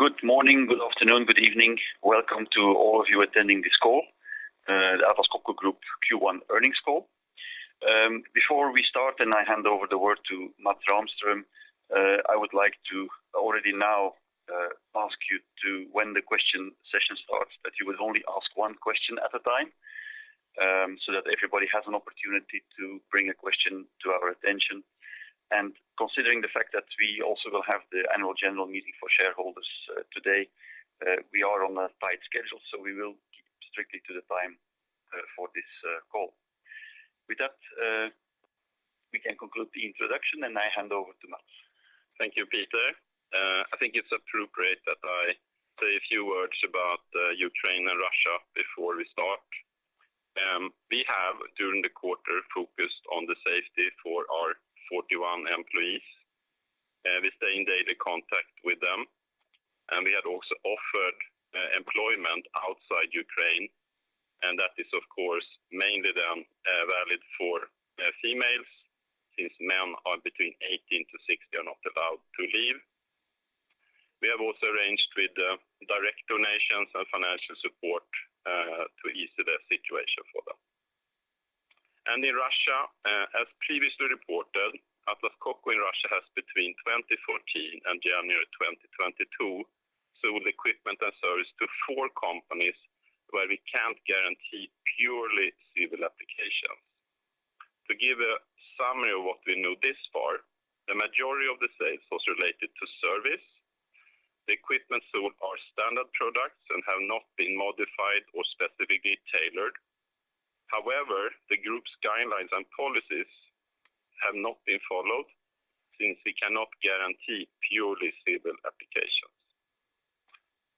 Good morning, good afternoon, good evening. Welcome to all of you attending this call, the Atlas Copco Group Q1 earnings call. Before we start, and I hand over the word to Mats Rahmström, I would like to already now ask you to when the question session starts, that you would only ask one question at a time, so that everybody has an opportunity to bring a question to our attention. Considering the fact that we also will have the annual general meeting for shareholders today, we are on a tight schedule, so we will keep strictly to the time for this call. With that, we can conclude the introduction, and I hand over to Mats. Thank you, Peter. I think it's appropriate that I say a few words about Ukraine and Russia before we start. We have, during the quarter, focused on the safety for our 41 employees. We stay in daily contact with them, and we had also offered employment outside Ukraine, and that is of course, mainly then, valid for females since men are between 18-60 are not allowed to leave. We have also arranged with direct donations and financial support to ease the situation for them. In Russia, as previously reported, Atlas Copco in Russia has between 2014 and January 2022 sold equipment and service to four companies where we can't guarantee purely civil applications. To give a summary of what we know this far, the majority of the sales was related to service. The equipment sold are standard products and have not been modified or specifically tailored. However, the group's guidelines and policies have not been followed since we cannot guarantee purely civil applications.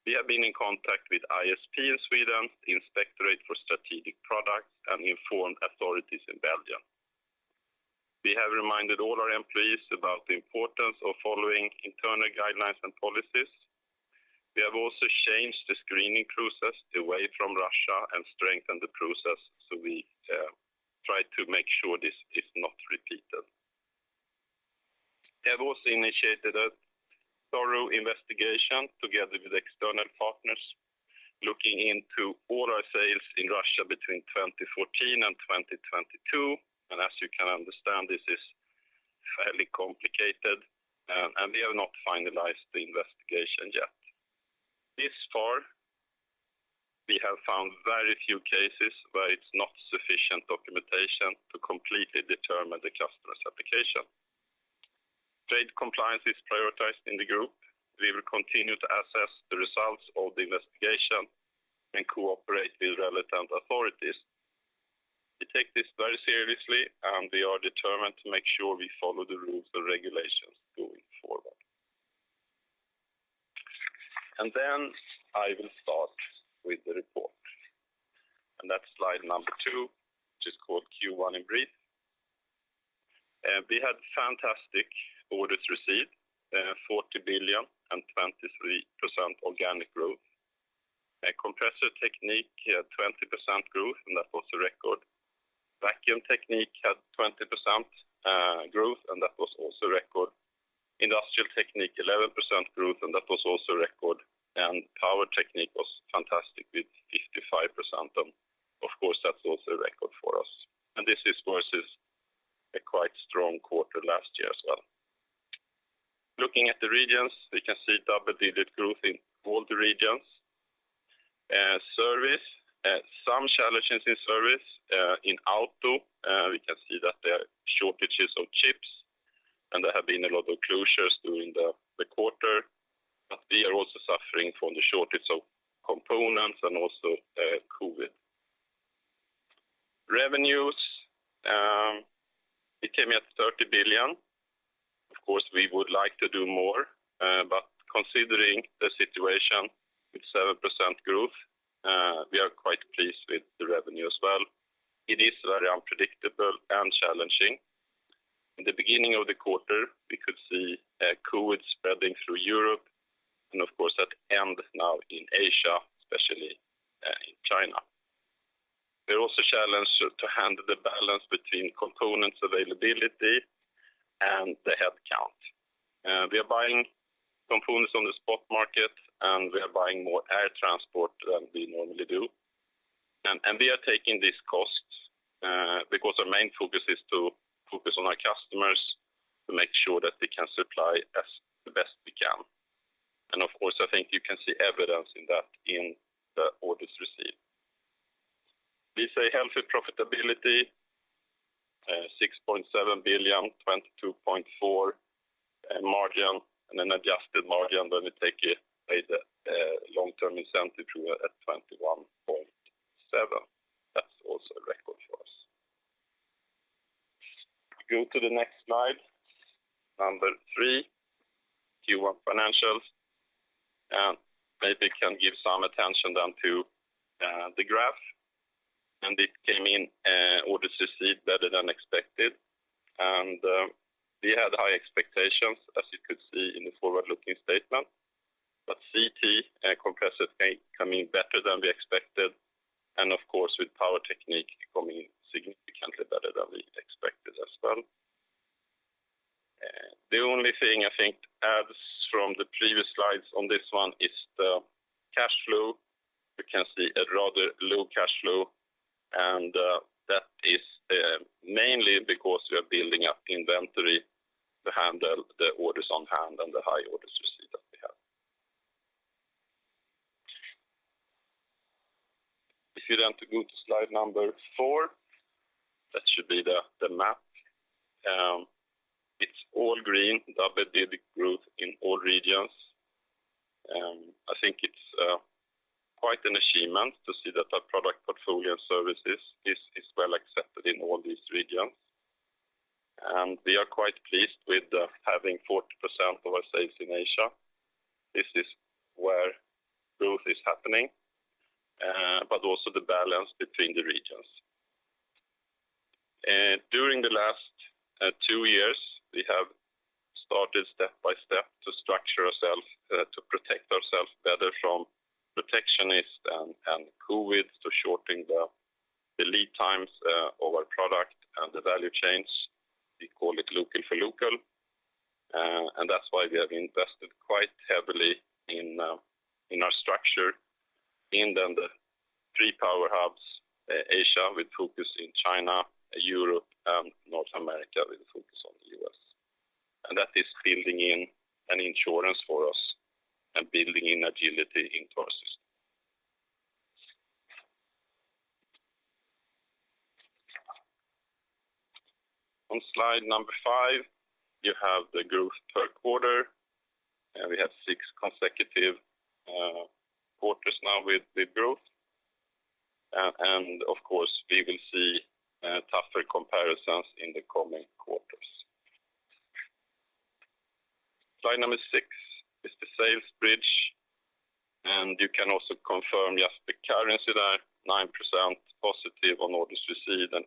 We have been in contact with ISP in Sweden, the Inspectorate for Strategic Products, and informed authorities in Belgium. We have reminded all our employees about the importance of following internal guidelines and policies. We have also changed the screening process away from Russia and strengthened the process, so we try to make sure this is not repeated. We have also initiated a thorough investigation together with external partners, looking into all our sales in Russia between 2014 and 2022. As you can understand, this is fairly complicated, and we have not finalized the investigation yet. This far, we have found very few cases where it's not sufficient documentation to completely determine the customer's application. Trade compliance is prioritized in the group. We will continue to assess the results of the investigation and cooperate with relevant authorities. We take this very seriously, and we are determined to make sure we follow the rules and regulations going forward. I will start with the report. That's slide two, which is called Q1 in brief. We had fantastic orders received, 40 billion and 23% organic growth. Compressor Technique had 20% growth, and that was a record. Vacuum Technique had 20% growth, and that was also record. Industrial Technique, 11% growth, and that was also a record. Power Technique was fantastic with 55%, and of course, that's also a record for us. This, of course, is a quite strong quarter last year as well. Looking at the regions, we can see double-digit growth in all the regions. Service, some challenges in service in auto, we can see that there are shortages of chips, and there have been a lot of closures during the quarter, but we are also suffering from the shortage of components and also COVID. Revenues, it came at 30 billion. Of course, we would like to do more, but considering the situation with 7% growth, we are quite pleased with the revenue as well. It is very unpredictable and challenging. In the beginning of the quarter, we could see COVID spreading through Europe, and of course, then in Asia, especially in China. We are also challenged to handle the balance between components availability and the headcount. We are buying components on the spot market, and we are buying more air transport than we normally do. We are taking these costs because our main focus is to focus on our customers to make sure that we can supply as best we can. Of course, I think you can see evidence of that in the orders received. We say healthy profitability, SEK 6.7 billion, 22.4% margin, and an adjusted margin when we take the long-term incentive through at 21.7%. That's also a record for us. Go to the next slide, number three, Q1 financials, and maybe can give some attention then to the graph. It came in, orders received better than expected. We had high expectations, as you could see in the forward-looking statement. CT, Compressor Technique, came in better than we expected, and of course, with Power Technique coming in significantly better than we expected as well. The only thing I think adds from the previous slides on this one is the cash flow. You can see a rather low cash flow, and that is mainly because we are building up inventory to handle the orders on hand and the high orders received that we have. If you then go to slide number four, that should be the map. It's all green, double-digit growth in all regions. I think it's quite an achievement to see that our product portfolio services is well-accepted in all these regions. We are quite pleased with having 40% of our sales in Asia. This is where growth is happening, but also the balance between the regions. During the last two years, we have started step by step to structure ourselves to protect ourselves better from protectionist and COVID, to shortening the lead times of our product and the value chains. We call it local for local. That's why we have invested quite heavily in our structure in the three power hubs, Asia, with focus in China, Europe, and North America, with focus on the U.S. That is building in an insurance for us and building in agility in process. On slide number 5, you have the growth per quarter, and we have six consecutive quarters now with the growth. Of course, we will see tougher comparisons in the coming quarters. Slide six is the sales bridge, and you can also confirm just the currency there, 9% positive on orders received and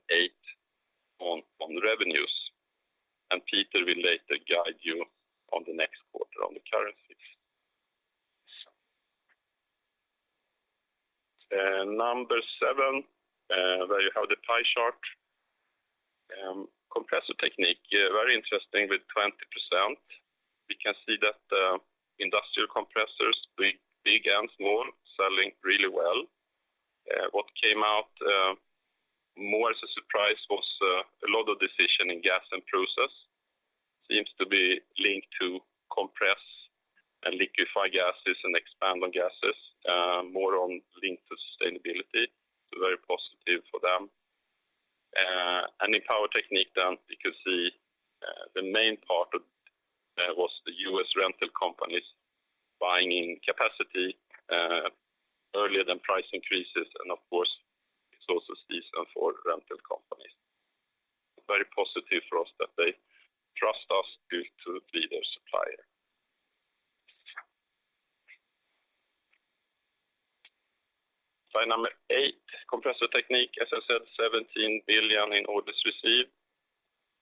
8% on revenues. Peter will later guide you on the next quarter on the currencies. Seven, where you have the pie chart. Compressor Technique, very interesting with 20%. We can see that industrial compressors, big and small, selling really well. What came out more as a surprise was a lot of decisions in Gas and Process that seem to be linked to compressing and liquefying gases and expanding gases, more so linked to sustainability. Very positive for them. In Power Technique then, you can see the main part of was the U.S. rental companies buying in capacity earlier than price increases, and of course, it's also decent for rental companies. Very positive for us that they trust us to be their supplier. Slide number eight, Compressor Technique, as I said, 17 billion in orders received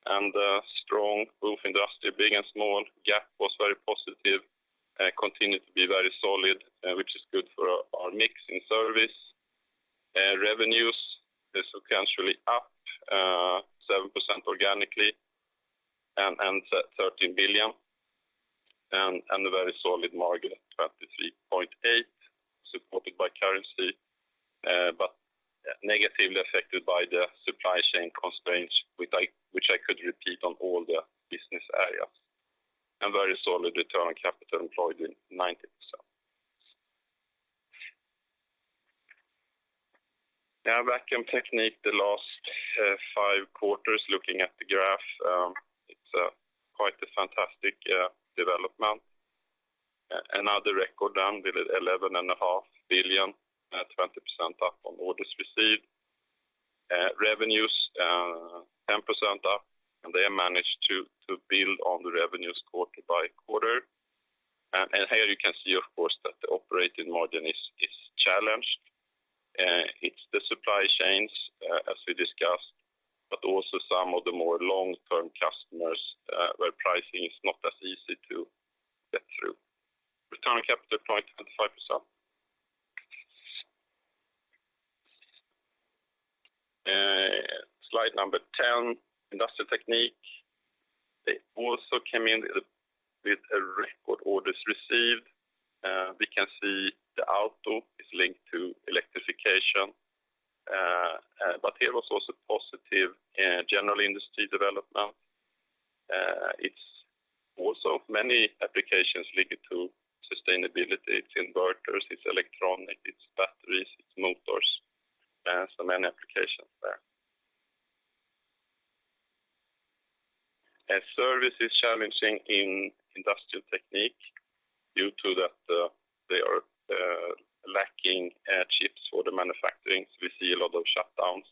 and a strong growth industry, big and small. GAP was very positive, continued to be very solid, which is good for our mix in service. Revenues is substantially up, 7% organically and SEK 13 billion, and a very solid margin at 23.8%, supported by currency, but negatively affected by the supply chain constraints which I could repeat on all the business areas. Very solid return on capital employed in 90%. Now, Vacuum Technique, the last five quarters, looking at the graph, it's a quite fantastic development. Another record done with 11.5 billion, 20% up on orders received. Revenues 10% up, and they managed to build on the revenues quarter by quarter. Here you can see, of course, that the operating margin is challenged. It's the supply chains, as we discussed, but also some of the more long-term customers, where pricing is not as easy to get through. Return on capital employed, 25%. Slide number 10, Industrial Technique. They also came in with a record orders received. We can see the order is linked to electrification, but here was also positive general industry development. It's also many applications linked to sustainability. It's inverters, it's electronics, it's batteries, it's motors. So many applications there. Service is challenging in Industrial Technique due to that. They are lacking chips for the manufacturing. We see a lot of shutdowns,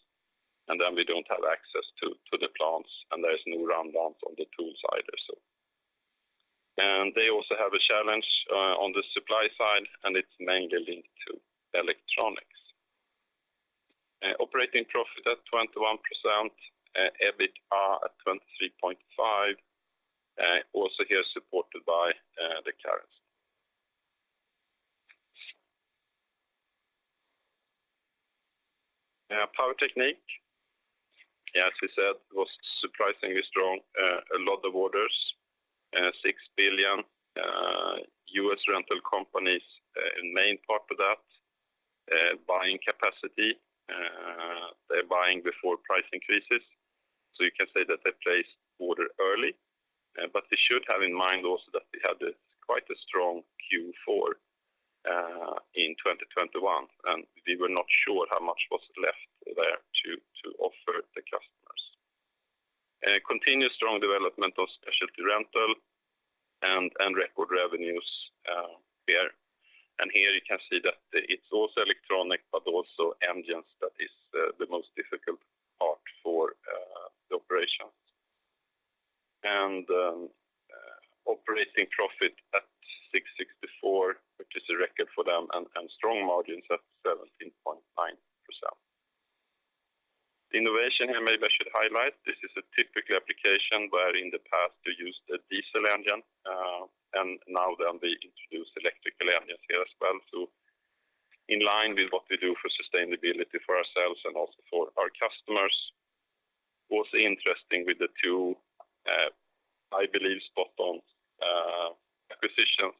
and then we don't have access to the plants, and there's no rundowns on the tool side or so. They also have a challenge on the supply side, and it's mainly linked to electronics. Operating profit at 21%, EBIT at 23.5%, also here supported by the currency. Power Technique, as we said, was surprisingly strong, a lot of orders, 6 billion, U.S. rental companies, a main part of that, buying capacity. They're buying before price increases. You can say that they placed order early. They should have in mind also that they had quite a strong Q4 in 2021, and we were not sure how much was left there to offer the customers. Continuous strong development of Specialty Rental and record revenues there. Here you can see that it's also electronics, but also engines that is the most difficult part for the operations. Operating profit at 664, which is a record for them, and strong margins at 17.9%. Innovation here, maybe I should highlight, this is a typical application where in the past they used a diesel engine, and now then we introduced electrical engines here as well. In line with what we do for sustainability for ourselves and also for our customers. Also interesting with the two, I believe spot on, acquisitions,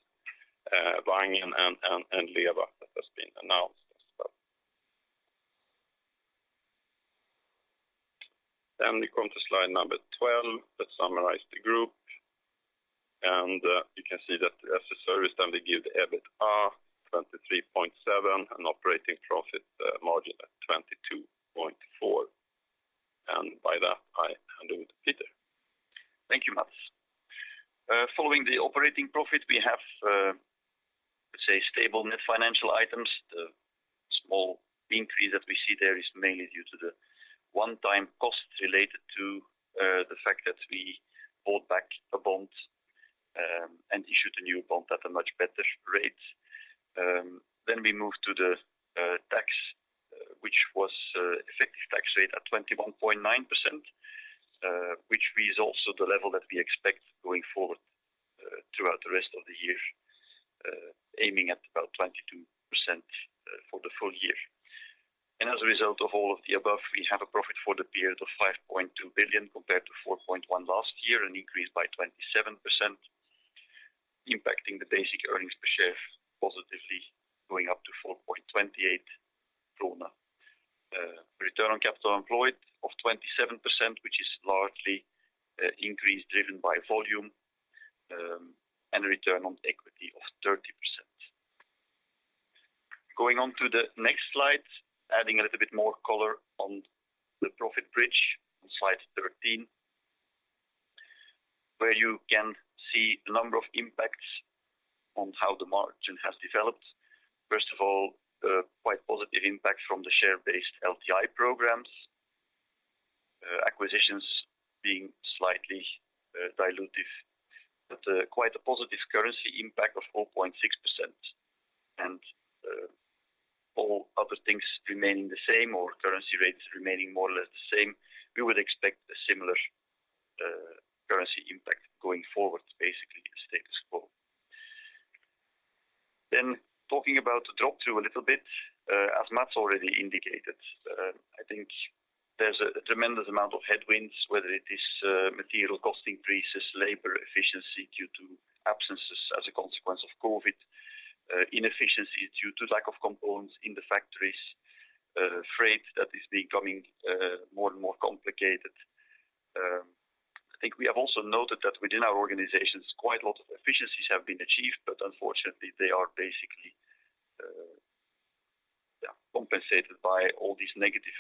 Wangen and LEWA that has been announced as well. We come to slide number 12 that summarize the group. You can see that as a service then they give the EBIT are 23.7% and operating profit margin at 22.4%. By that, I hand over to Peter. Thank you, Mats. Following the operating profit, we have, let's say, stable net financial items. The small increase that we see there is mainly due to the one-time cost related to the fact that we bought back a bond and issued a new bond at a much better rate. We move to the tax, which was effective tax rate at 21.9%, which is also the level that we expect going forward throughout the rest of the year, aiming at about 22%, for the full year. As a result of all of the above, we have a profit for the period of 5.2 billion compared to 4.1 billion last year, an increase by 27%, impacting the basic earnings per share positively going up to 4.28 krona. Return on capital employed of 27%, which is largely increase driven by volume, and return on equity of 30%. Going on to the next slide, adding a little bit more color on the profit bridge on slide 13, where you can see a number of impacts on how the margin has developed. First of all, quite positive impact from the share-based LTI programs. Acquisitions being slightly dilutive, but quite a positive currency impact of 4.6%. All other things remaining the same or currency rates remaining more or less the same, we would expect a similar currency impact going forward, basically the status quo. Talking about the drop-through a little bit, as Mats already indicated, I think there's a tremendous amount of headwinds, whether it is material cost increases, labor efficiency due to absences as a consequence of COVID, inefficiency due to lack of components in the factories, freight that is becoming more and more complicated. I think we have also noted that within our organizations, quite a lot of efficiencies have been achieved, but unfortunately, they are basically compensated by all these negative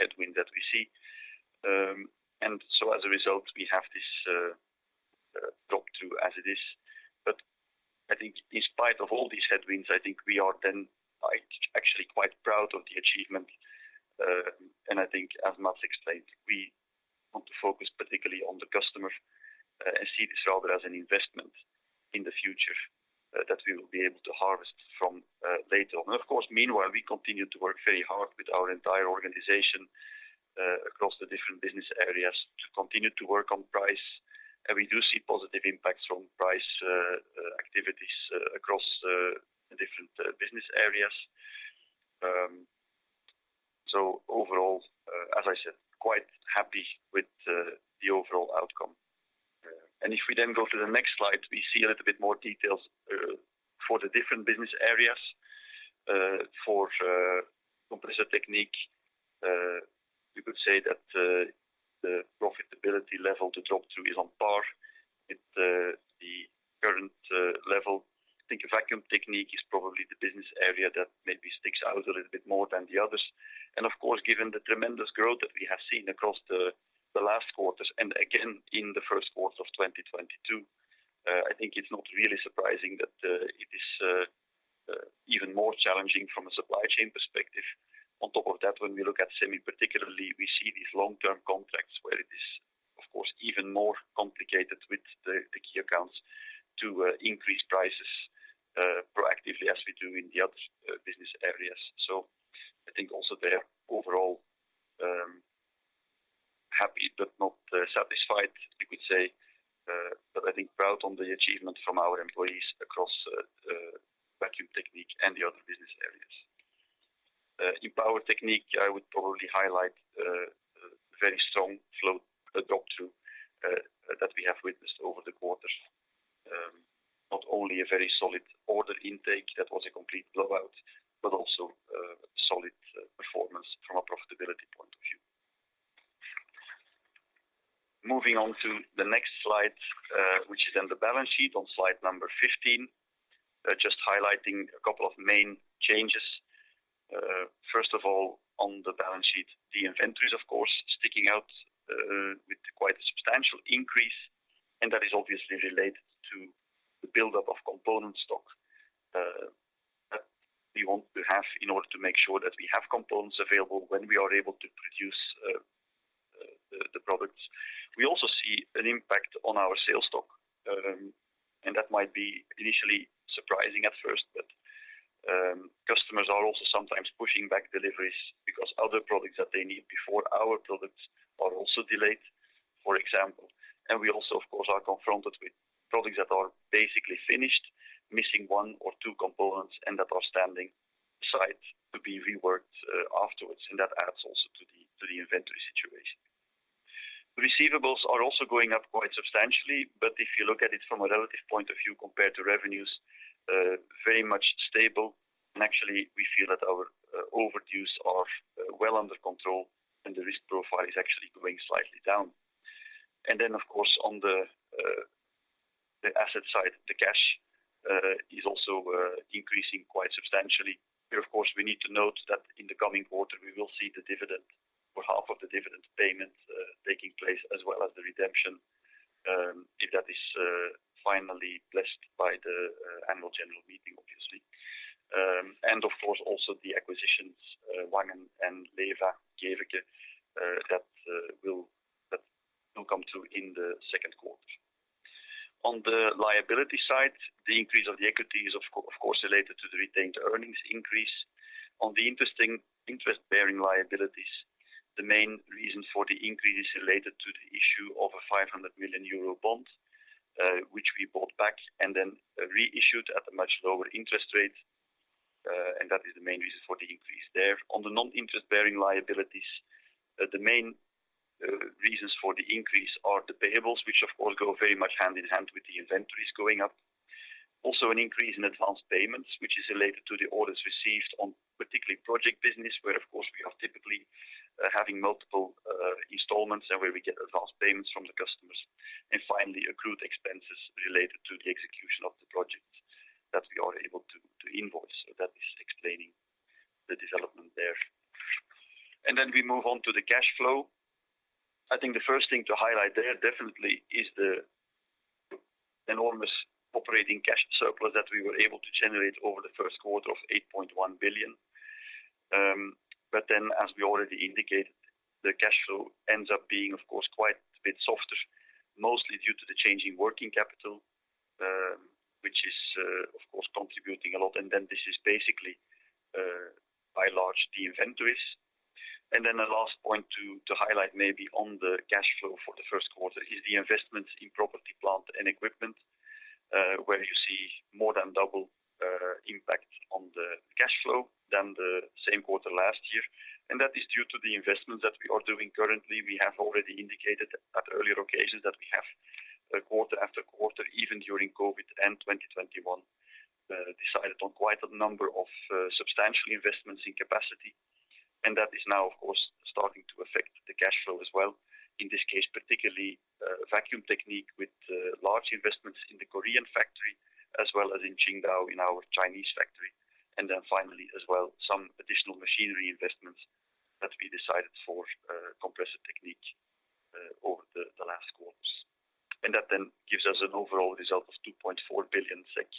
headwind that we see. As a result, we have this drop-through as it is. I think in spite of all these headwinds, I think we are quite, actually quite proud of the achievement. I think as Mats explained, we want to focus particularly on the customer, and see this rather as an investment in the future, that we will be able to harvest from, later on. Of course, meanwhile, we continue to work very hard with our entire organization, across the different business areas to continue to work on price. We do see positive impacts from price activities, across different business areas. Overall, as I said, quite happy with the overall outcome. If we then go to the next slide, we see a little bit more details, for the different business areas. For Compressor Technique, we could say that the profitability level to drop-through is on par with the current level. I think Vacuum Technique is probably the business area that maybe sticks out a little bit more than the others. Of course, given the tremendous growth that we have seen across the last quarters and again in the first quarter of 2022, I think it's not really surprising that it is even more challenging from a supply chain perspective. On top of that, when we look at Semi particularly, we see these long-term contracts where it is of course even more complicated with the key accounts to increase prices proactively as we do in the other business areas. I think also there overall, Happy but not satisfied, you could say. But I think proud on the achievement from our employees across Vacuum Technique and the other business areas. In Power Technique, I would probably highlight a very strong flow drop-through that we have witnessed over the quarters. Not only a very solid order intake that was a complete blowout, but also solid performance from a profitability point of view. Moving on to the next slide, which is then the balance sheet on slide number 15. Just highlighting a couple of main changes. First of all, on the balance sheet, the inventories, of course, sticking out with quite a substantial increase, and that is obviously related to the buildup of component stock that we want to have in order to make sure that we have components available when we are able to produce the products. We also see an impact on our sales stock, and that might be initially surprising at first, but customers are also sometimes pushing back deliveries because other products that they need before our products are also delayed, for example. We also, of course, are confronted with products that are basically finished, missing one or two components, and that are standing idle to be reworked, afterwards, and that adds also to the inventory situation. Receivables are also going up quite substantially, but if you look at it from a relative point of view compared to revenues, very much stable. Actually, we feel that our overdues are well under control and the risk profile is actually going slightly down. Then, of course, on the asset side, the cash is also increasing quite substantially. Here, of course, we need to note that in the coming quarter we will see the dividend, or half of the dividend payment, taking place as well as the redemption, if that is finally blessed by the annual general meeting, obviously. Of course, also the acquisitions, Wangen, LEWA and Geveke, that will come through in the second quarter. On the liability side, the increase of the equity is of course related to the retained earnings increase. On the net interest-bearing liabilities, the main reason for the increase is related to the issue of a 500 million euro bond, which we bought back and then reissued at a much lower interest rate, and that is the main reason for the increase there. On the non-interest-bearing liabilities, the main reasons for the increase are the payables, which of course go very much hand in hand with the inventories going up. Also an increase in advance payments, which is related to the orders received in particular project business, where of course, we are typically having multiple installments and where we get advance payments from the customers. Finally, accrued expenses related to the execution of the projects that we are able to invoice. That is explaining the development there. Then we move on to the cash flow. I think the first thing to highlight there definitely is the enormous operating cash surplus that we were able to generate over the first quarter of 8.1 billion. As we already indicated, the cash flow ends up being, of course, quite a bit softer, mostly due to the change in working capital, which is, of course, contributing a lot. This is basically by and large the inventories. The last point to highlight maybe on the cash flow for the first quarter is the investment in property, plant and equipment, where you see more than double impact on the cash flow than the same quarter last year. That is due to the investment that we are doing currently. We have already indicated at earlier occasions that we have, quarter after quarter, even during COVID and 2021, decided on quite a number of substantial investments in capacity. That is now, of course, starting to affect the cash flow as well. In this case, particularly, Vacuum Technique with large investments in the Korean factory as well as in Qingdao in our Chinese factory. Then finally, as well, some additional machinery investments that we decided for Compressor Technique over the last quarters. That then gives us an overall result of 2.4 billion SEK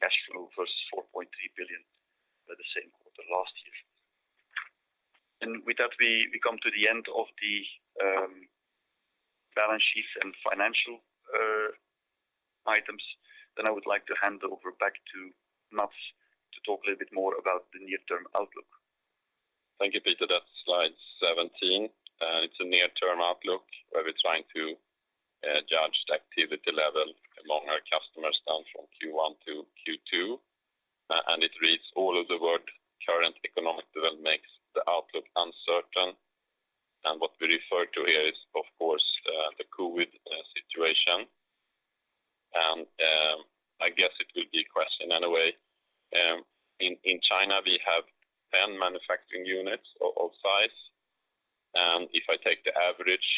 cash flow versus 4.3 billion for the same quarter last year. With that, we come to the end of the balance sheets and financial items. I would like to hand over back to Mats to talk a little bit more about the near-term outlook. Thank you, Peter. That's slide 17. It's a near-term outlook, where we're trying to judge the activity level among our customers down from Q1 to Q2. It reads all the words current economic development makes the outlook uncertain. What we refer to here is, of course, the COVID situation. I guess it will be a question anyway. In China, we have 10 manufacturing units of all size. If I take the average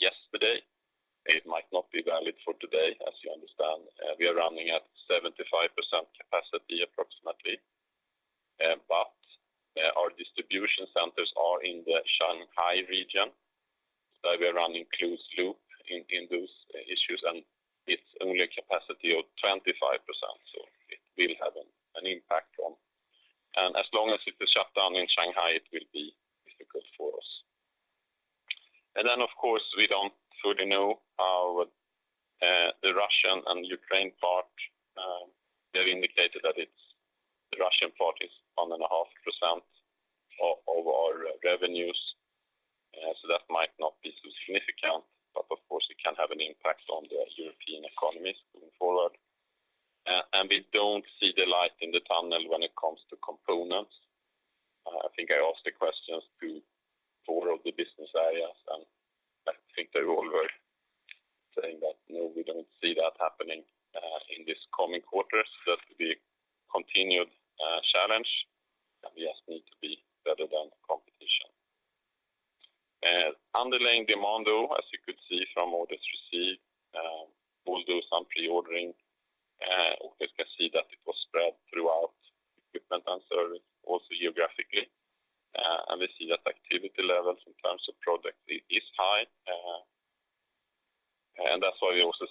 yesterday, it might not be valid for today, as you understand. We are running at 75% capacity approximately. Our distribution centers are in the Shanghai region. We are running closed loop in those issues, and it's only a capacity of 25%, so it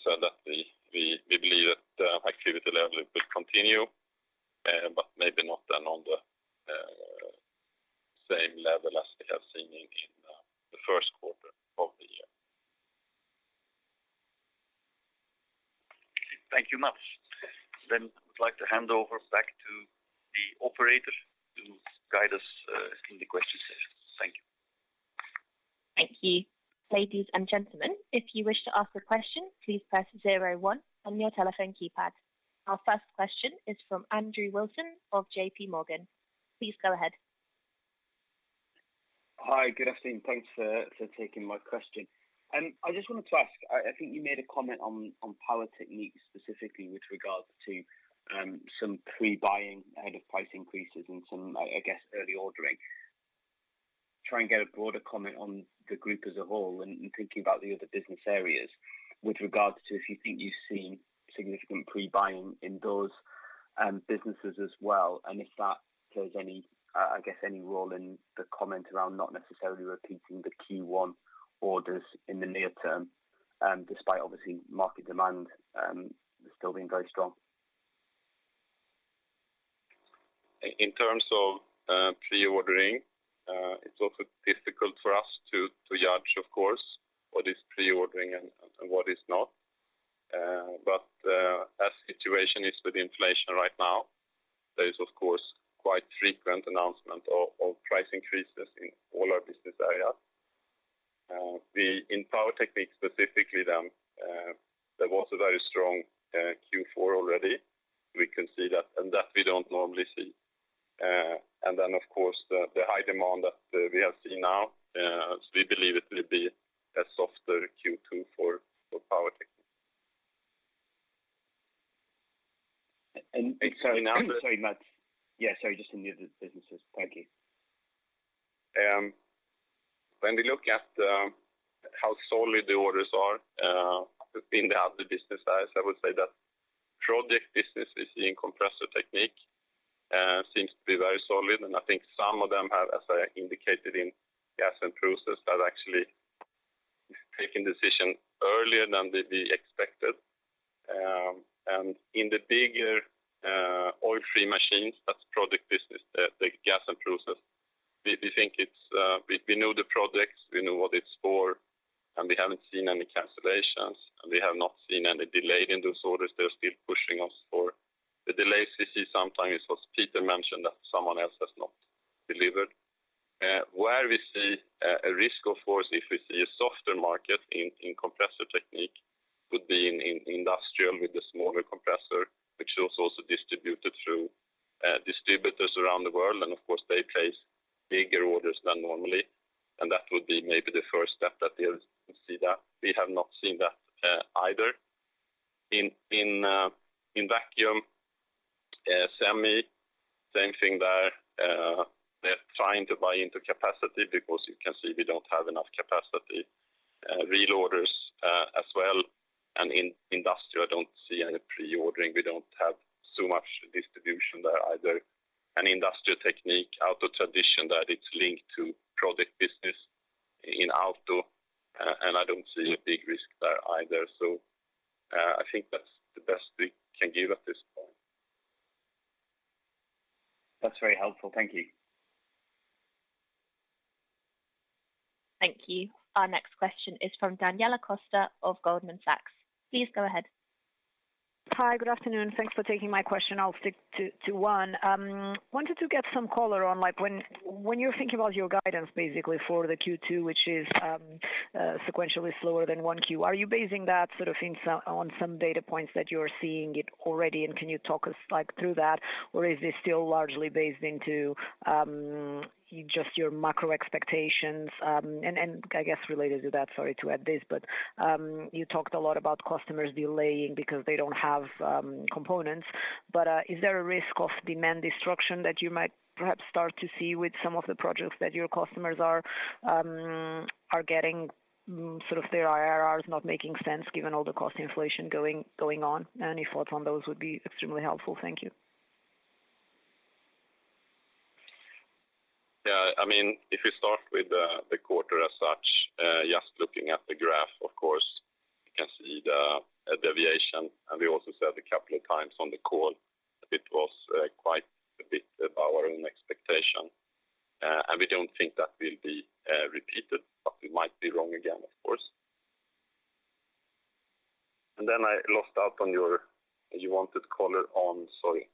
said that we believe that activity level will continue, but maybe not then on the same level as we have seen in the first quarter of the year. Thank you, Mats. I'd like to hand over back to the operator to guide us in the question session. Thank you. Thank you. Our first question is from Andrew Wilson of JPMorgan. Please go ahead. Hi, good afternoon. Thanks for taking my question. I just wanted to ask. I think you made a comment on Power Technique specifically with regards to some pre-buying ahead of price increases and some, I guess, early ordering. Try and get a broader comment on the group as a whole and thinking about the other business areas with regards to if you think you've seen significant pre-buying in those businesses as well, and if that plays any, I guess, any role in the comment around not necessarily repeating the Q1 orders in the near term, despite obviously market demand still being very strong. In terms of pre-ordering, it's also difficult for us to judge, of course, what is pre-ordering and what is not. As the situation is with inflation right now, there is, of course, quite frequent announcement of price increases in all our business areas. In Power Technique specifically then, there was a very strong Q4 already. We can see that, and that we don't normally see. Of course, the high demand that we have seen now, so we believe it will be a softer Q2 for Power Technique. Sorry, Mats. Yeah, sorry, just in the other businesses. Thank you. When we look at how solid the orders are in the other business areas, I would say that project business is in Compressor Technique seems to be very solid, and I think some of them have, as I indicated in Gas and Process, have actually taken decision earlier than we expected. In the bigger oil-free machines, that's project business, the Gas and Process, we think it's we know the projects, we know what it's for, and we haven't seen any cancellations, and we have not seen any delay in those orders. They're still pushing us for. The delays we see sometimes, as Peter mentioned, that someone else has not delivered. Where we see a risk, of course, if we see a softer market in Compressor Technique, could be in industrial with the smaller compressor, which is also distributed through distributors around the world. Of course, they place bigger orders than normally. That would be maybe the first step that we'll see that. We have not seen that either. In Vacuum semi, same thing there. They're trying to buy into capacity because you can see we don't have enough capacity, reloaders, as well. In industrial, I don't see any pre-ordering. We don't have so much distribution there either. In Industrial Technique, automotive division, that it's linked to project business in Auto, and I don't see a big risk there either. I think that's the best we can give at this point. That's very helpful. Thank you. Thank you. Our next question is from Daniela Costa of Goldman Sachs. Please go ahead. Hi, good afternoon. Thanks for taking my question. I'll stick to one. Wanted to get some color on like when you're thinking about your guidance basically for the Q2, which is sequentially slower than 1Q. Are you basing that sort of on some data points that you're seeing already, and can you talk us like through that? Or is this still largely based on just your macro expectations? And I guess related to that, sorry to add this, but you talked a lot about customers delaying because they don't have components. Is there a risk of demand destruction that you might perhaps start to see with some of the projects that your customers are getting sort of their IRRs not making sense given all the cost inflation going on? Any thoughts on those would be extremely helpful. Thank you. Yeah. I mean, if you start with the quarter as such, just looking at the graph, of course, you can see the deviation. We also said a couple of times on the call that it was quite a bit empowering an expectation, and we don't think that will be repeated, but we might be wrong again, of course. Then I lost out on your. You wanted color on? Sorry.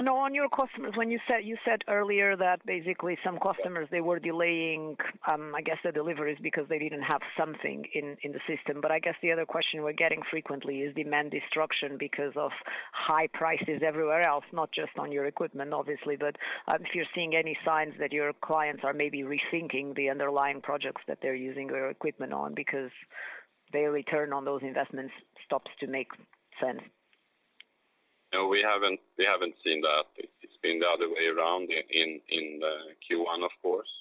No, on your customers. When you said earlier that basically some customers, they were delaying, I guess, the deliveries because they didn't have something in the system. But I guess the other question we're getting frequently is demand destruction because of high prices everywhere else, not just on your equipment obviously, but if you're seeing any signs that your clients are maybe rethinking the underlying projects that they're using your equipment on because their return on those investments ceases to make sense? No, we haven't seen that. It's been the other way around in Q1, of course.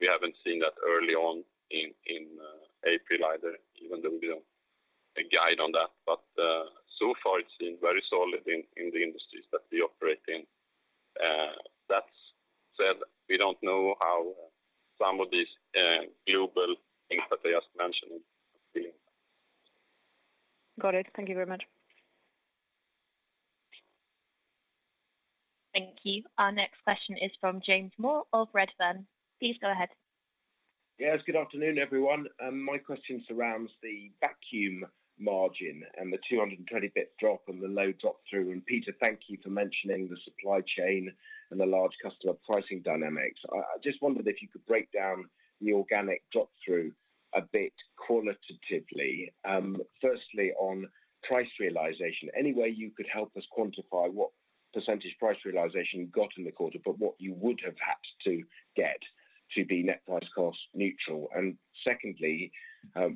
We haven't seen that early on in April either, even though we don't guide on that. So far it's been very solid in the industries that we operate in. That said, we don't know how some of these global things that I just mentioned feel. Got it. Thank you very much. Thank you. Our next question is from James Moore of Redburn. Please go ahead. Yes, good afternoon, everyone. My question surrounds the vacuum margin and the 220 basis point drop and the low drop-through. Peter, thank you for mentioning the supply chain and the large customer pricing dynamics. I just wondered if you could break down the organic drop-through a bit qualitatively. Firstly, on price realization, any way you could help us quantify what percentage price realization you got in the quarter, but what you would have had to get to be net price cost neutral? Secondly,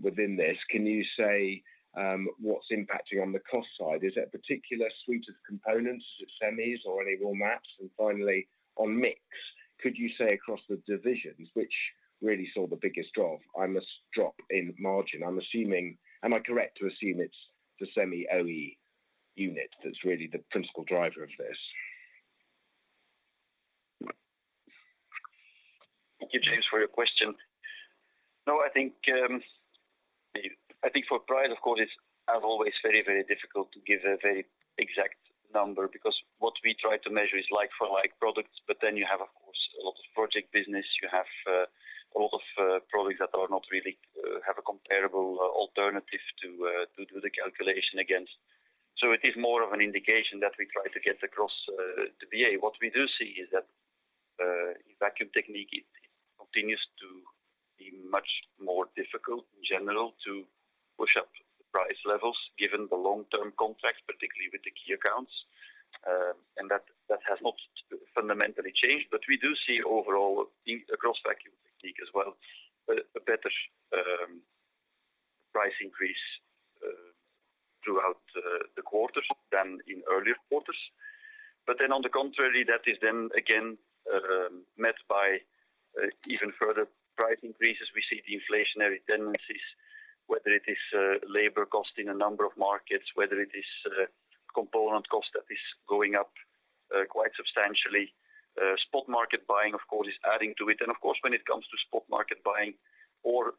within this, can you say what's impacting on the cost side? Is there a particular suite of components, semis or EUV masks? Finally, on mix, could you say across the divisions, which really saw the biggest drop, the most drop in margin? I'm assuming. Am I correct to assume it's the Semi OE unit that's really the principal driver of this? Thank you, James, for your question. No, I think for price, of course, it's as always very, very difficult to give a very exact number because what we try to measure is like for like products, but then you have, of course, a lot of project business. You have a lot of products that are not really have a comparable alternative to do the calculation against. It is more of an indication that we try to get across the BA. What we do see is that in Vacuum Technique it continues to be much more difficult in general to push up the price levels given the long-term contracts, particularly with the key accounts. That has not fundamentally changed. We do see overall across Vacuum Technique as well, a better price increase throughout the quarters than in earlier quarters. On the contrary, that is then again met by even further price increases. We see the inflationary tendencies, whether it is labor cost in a number of markets, whether it is component cost that is going up quite substantially. Spot market buying, of course, is adding to it. Of course, when it comes to spot market buying or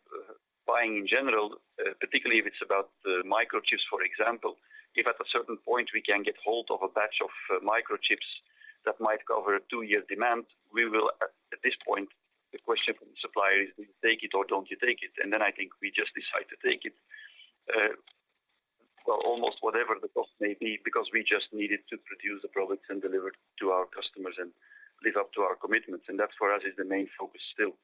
buying in general, particularly if it's about the microchips, for example. If at a certain point we can get hold of a batch of microchips that might cover a two-year demand, we will at this point, the question from the supplier is, do you take it or don't you take it? I think we just decide to take it, well, almost whatever the cost may be, because we just need it to produce the products and deliver to our customers and live up to our commitments. That for us is the main focus still.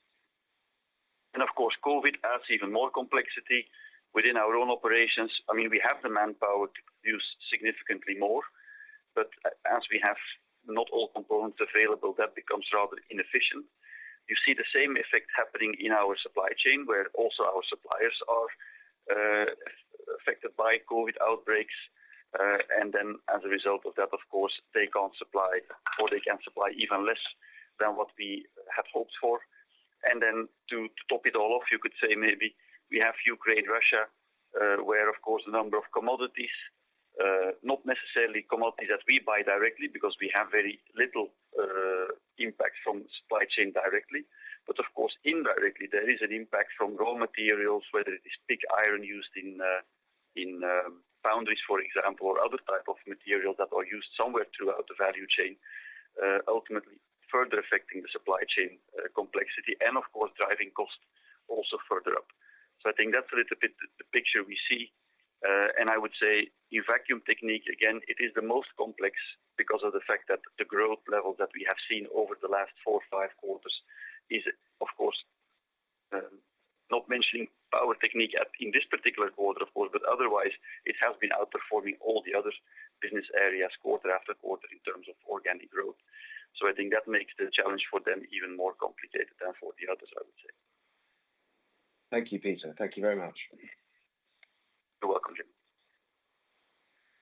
Of course, COVID adds even more complexity within our own operations. I mean, we have the manpower to produce significantly more, but as we have not all components available, that becomes rather inefficient. You see the same effect happening in our supply chain, where also our suppliers are affected by COVID outbreaks. As a result of that, of course, they can't supply or they can supply even less than what we had hoped for. To top it all off, you could say maybe we have Ukraine, Russia, where of course a number of commodities, not necessarily commodities that we buy directly because we have very little impact from supply chain directly. But of course, indirectly, there is an impact from raw materials, whether it is pig iron used in foundries, for example, or other type of materials that are used somewhere throughout the value chain, ultimately further affecting the supply chain complexity and of course, driving cost also further up. I think that's a little bit the picture we see. I would say in Vacuum Technique, again, it is the most complex because of the fact that the growth level that we have seen over the last four or five quarters is of course, not mentioning Vacuum Technique in this particular quarter, of course, but otherwise it has been outperforming all the other business areas quarter-after-quarter in terms of organic growth. I think that makes the challenge for them even more complicated than for the others, I would say. Thank you, Peter. Thank you very much. You're welcome, James.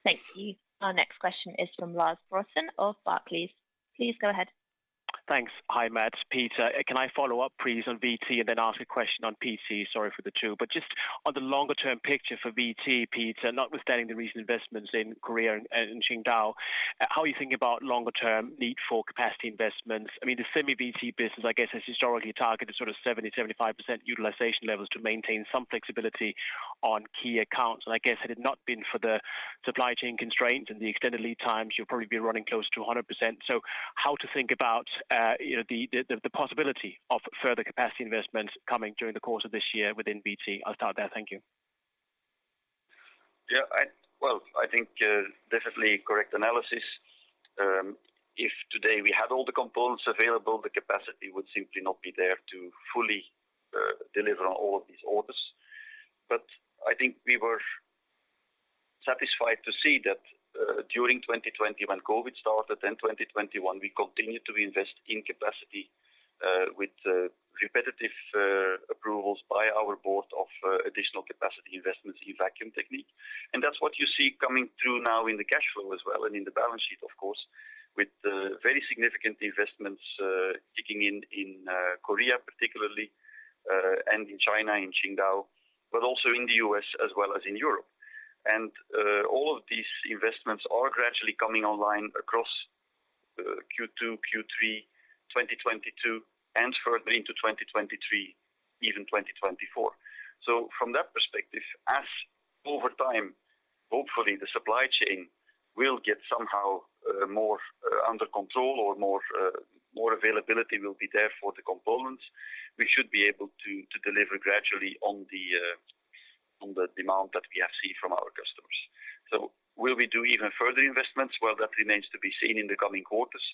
Thank you. Our next question is from Lars Brorson of Barclays. Please go ahead. Thanks. Hi, Mats, Peter. Can I follow up please on VT and then ask a question on PT? Sorry for the two, but just on the longer-term picture for VT, Peter, notwithstanding the recent investments in Korea and in Qingdao, how are you thinking about longer term need for capacity investments? I mean, the semi VT business, I guess, has historically targeted sort of 70%-75% utilization levels to maintain some flexibility on key accounts. I guess had it not been for the supply chain constraints and the extended lead times, you'll probably be running close to 100%. How to think about the possibility of further capacity investments coming during the course of this year within VT? I'll start there. Thank you. Yeah, well, I think definitely correct analysis. If today we had all the components available, the capacity would simply not be there to fully deliver on all of these orders. I think we were satisfied to see that during 2020 when COVID started, then 2021, we continued to invest in capacity with repetitive approvals by our board of additional capacity investments in Vacuum Technique. That's what you see coming through now in the cash flow as well, and in the balance sheet, of course, with very significant investments kicking in in Korea particularly and in China, in Qingdao, but also in the U.S. as well as in Europe. All of these investments are gradually coming online across Q2, Q3 2022 and further into 2023, even 2024. From that perspective, as over time, hopefully the supply chain will get somehow more availability will be there for the components. We should be able to deliver gradually on the demand that we have seen from our customers. Will we do even further investments? Well, that remains to be seen in the coming quarters.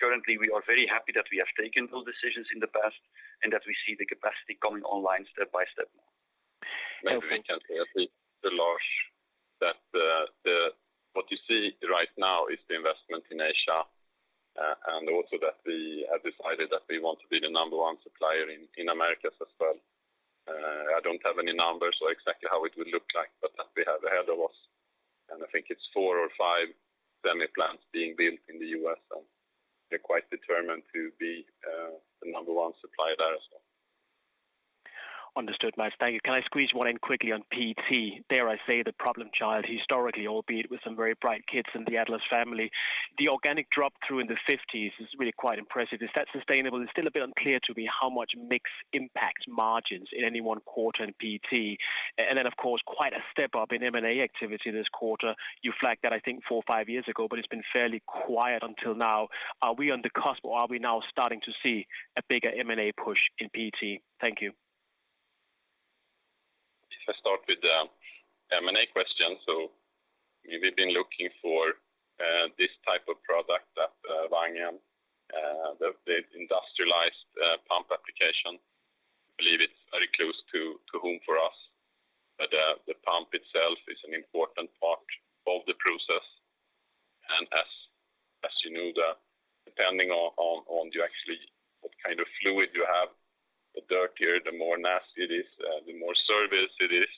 Currently, we are very happy that we have taken those decisions in the past and that we see the capacity coming online step by step. Maybe we can say at least, Lars, that what you see right now is the investment in Asia, and also that we have decided that we want to be the number one supplier in Americas as well. I don't have any numbers or exactly how it will look like, but that we have ahead of us. I think it's four or five semi plants being built in the U.S., and we're quite determined to be the number one supplier there as well. Understood, Mats. Thank you. Can I squeeze one in quickly on PT? Dare I say the problem child historically, albeit with some very bright kids in the Atlas family, the organic drop-through in the 50%s is really quite impressive. Is that sustainable? It's still a bit unclear to me how much mix impacts margins in any one quarter in PT. Then of course, quite a step up in M&A activity this quarter. You flagged that I think four or five years ago, but it's been fairly quiet until now. Are we on the cusp or are we now starting to see a bigger M&A push in PT? Thank you. If I start with the M&A question. We've been looking for this type of product at Wangen, the industrialized pump application. I believe it's very close to home for us. But the pump itself is an important part of the process. As you know, depending on what kind of fluid you actually have, the dirtier, the more nasty it is, the more service it is.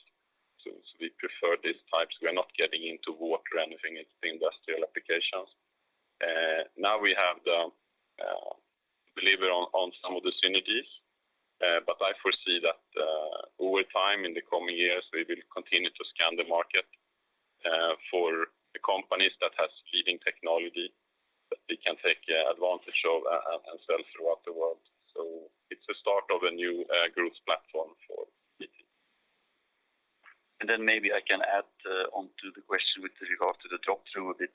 We prefer these types. We are not getting into water or anything, it's the industrial applications. Now we have to deliver on some of the synergies. But I foresee that over time in the coming years, we will continue to scan the market for the companies that has leading technology that we can take advantage of and sell throughout the world. It's the start of a new growth platform for PT. Then maybe I can add onto the question with regard to the drop-through a bit.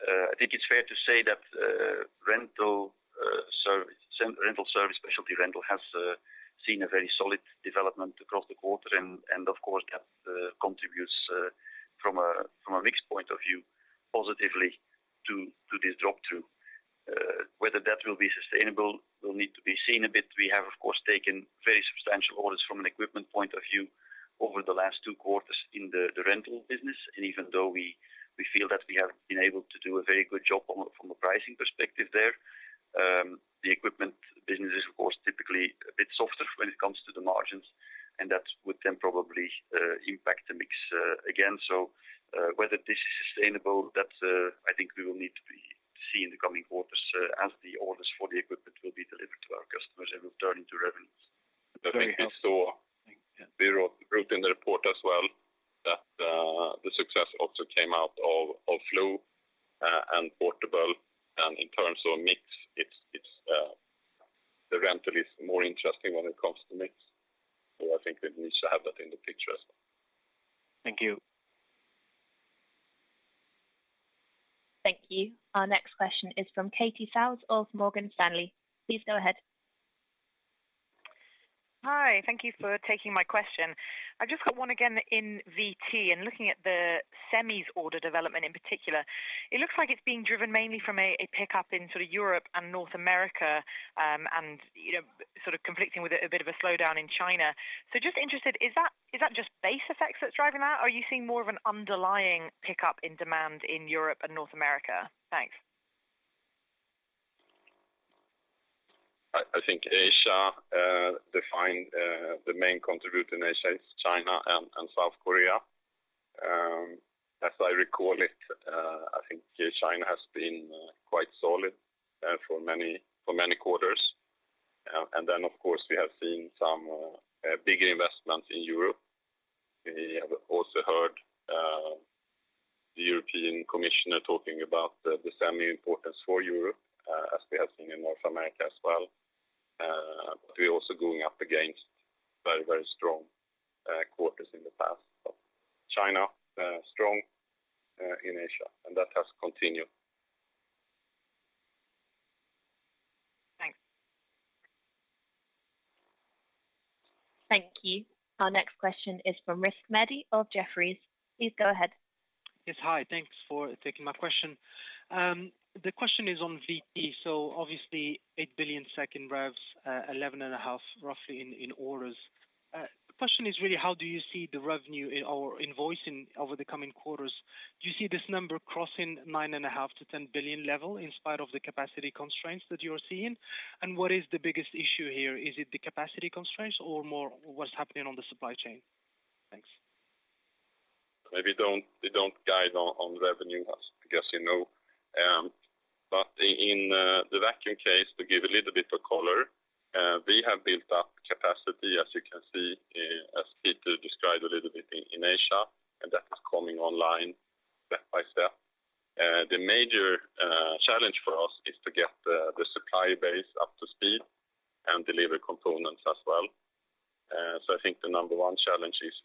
I think it's fair to say that rental service, Specialty Rental has seen a very solid development across the quarter. Of course, that contributes from a mix point of view positively to this drop-through. Whether that will be sustainable will need to be seen a bit. We have, of course, taken very substantial orders from an equipment point of view over the last two quarters in the rental business. Even though we feel that we have been able to do a very good job from a pricing perspective there, the equipment business is of course typically a bit softer when it comes to the margins, and that would then probably impact the mix again. Whether this is sustainable, I think we will need to see in the coming quarters as the orders for the equipment will be delivered to our customers and will turn into revenues. I think we saw, we wrote in the report as well that the success also came out of flow and portable. In terms of mix, it's the rental is more interesting when it comes to mix. I think we need to have that in the picture as well. Thank you. Thank you. Our next question is from Katie Self from Morgan Stanley. Please go ahead. Hi. Thank you for taking my question. I've just got one again in VT and looking at the semi's order development in particular. It looks like it's being driven mainly from a pickup in sort of Europe and North America, and you know, sort of conflicting with a bit of a slowdown in China. Just interested, is that just base effects that's driving that? Are you seeing more of an underlying pickup in demand in Europe and North America? Thanks. I think Asia definitely, the main contributor in Asia is China and South Korea. As I recall it, I think China has been quite solid for many quarters. Then of course, we have seen some bigger investments in Europe. We have also heard the European commissioner talking about the Semi importance for Europe, as we have seen in North America as well. We're also going up against very strong quarters in the past. China strong in Asia, and that has continued. Thank you. Our next question is from Rizk Maidi of Jefferies. Please go ahead. Yes. Hi. Thanks for taking my question. The question is on VT. So obviously 8 billion Q2 revs, 11.5 roughly in orders. The question is really how do you see the revenue or invoicing over the coming quarters? Do you see this number crossing 9.5 billion-10 billion level in spite of the capacity constraints that you are seeing? And what is the biggest issue here? Is it the capacity constraints or more what's happening on the supply chain? Thanks. They don't guide on revenue, as I guess you know. In the vacuum case, to give a little bit of color, we have built up capacity, as you can see, as Peter described a little bit in Asia, and that is coming online step by step. The major challenge for us is to get the supply base up to speed and deliver components as well. I think the number one challenge is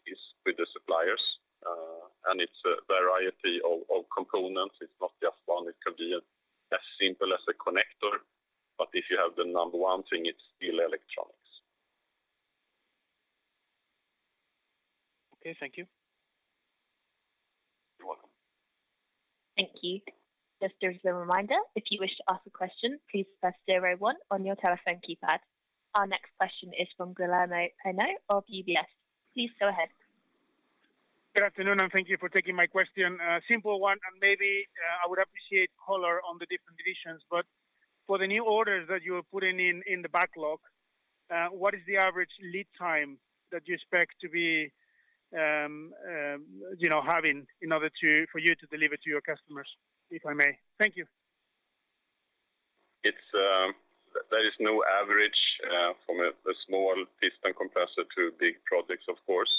with the suppliers. It's a variety of components. It's not just one. It could be as simple as a connector, but if you have the number one thing, it's still electronics. Okay. Thank you. You're welcome. Thank you. Just as a reminder, if you wish to ask a question, please press zero-one on your telephone keypad. Our next question is from Guillermo Peigneux of UBS. Please go ahead. Good afternoon, and thank you for taking my question. A simple one, and maybe, I would appreciate color on the different divisions. For the new orders that you are putting in in the backlog, what is the average lead time that you expect to be, you know, for you to deliver to your customers, if I may? Thank you. There is no average from a small piston compressor to big projects, of course.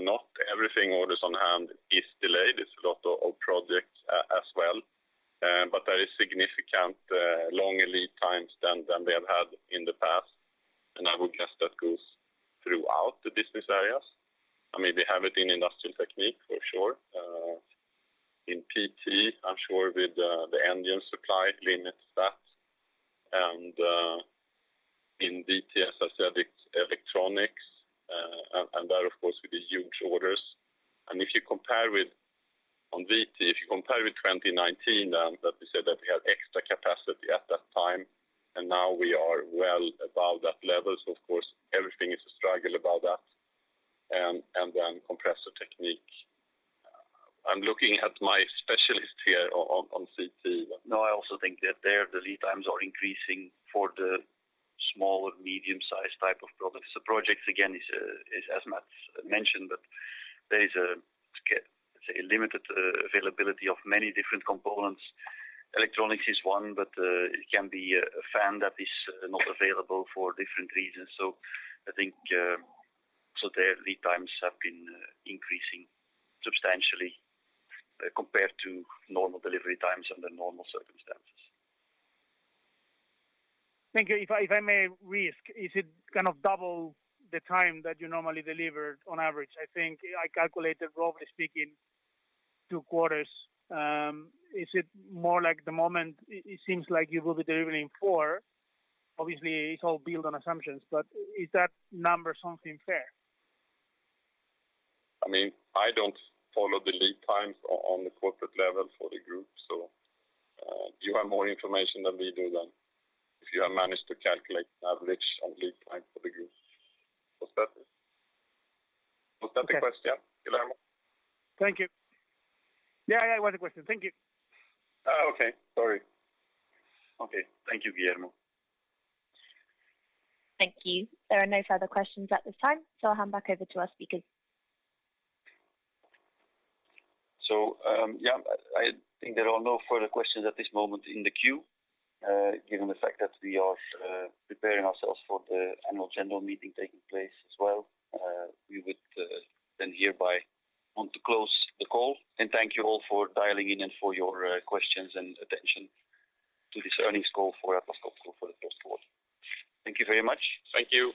Not everything orders on hand is delayed. There's a lot of projects as well. But there is significantly longer lead times than we have had in the past. I would guess that goes throughout the business areas. I mean, they have it in Industrial Technique for sure. In PT, I'm sure with the engine supply limits that. In VT as the electronics and that of course, with the huge orders. If you compare with on VT, if you compare with 2019, that we said that we had extra capacity at that time, and now we are well above that level. Of course, everything is a struggle about that. Then Compressor Technique. I'm looking at my specialist here on CT. No, I also think that there the lead times are increasing for the small or medium-sized type of products. The projects again is as Mats mentioned, but there is, say, a limited availability of many different components. Electronics is one, but it can be a fan that is not available for different reasons. So I think their lead times have been increasing substantially compared to normal delivery times under normal circumstances. Thank you. If I may ask, is it kind of double the time that you normally deliver on average? I think I calculated, roughly speaking, two quarters. Is it more like the moment it seems like you will be delivering four? Obviously, it's all built on assumptions, but is that number something fair? I mean, I don't follow the lead times on the corporate level for the group. You have more information than we do then, if you have managed to calculate average on lead time for the group. Was that the question, Guillermo? Thank you. Yeah, yeah, that was the question. Thank you. Oh, okay. Sorry. Okay. Thank you, Guillermo. Thank you. There are no further questions at this time, so I'll hand back over to our speakers. I think there are no further questions at this moment in the queue. Given the fact that we are preparing ourselves for the annual general meeting taking place as well, we would then hereby want to close the call and thank you all for dialing in and for your questions and attention to this earnings call for Atlas Copco for the first quarter. Thank you very much. Thank you.